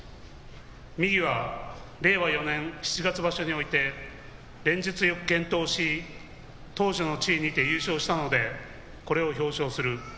右は令和４年七月場所において連日よく健闘し頭書の地位にて優勝したのでこれを表彰する。